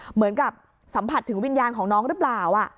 เหมือนกับสัมผัสถึงวิญญาณของน้องหรือเปล่า